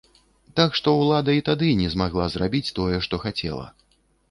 Так што ўлада і тады не змагла зрабіць тое, што хацела.